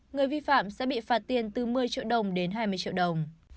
người vi phạm sẽ bị phạt tiền từ một mươi triệu đồng đến hai mươi triệu đồng